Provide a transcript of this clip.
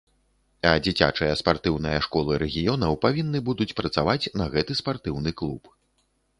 А дзіцячыя спартыўныя школы рэгіёнаў павінны будуць працаваць на гэты спартыўны клуб.